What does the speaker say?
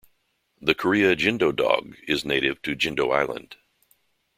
The Korea Jindo Dog is native to Jindo Island.